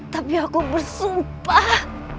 tapi aku bersumpah